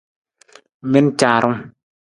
Mi na caarung!